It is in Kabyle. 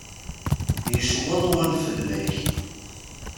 Yecweḍ wul fell-ak.